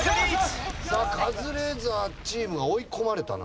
カズレーザーチームが追い込まれたな。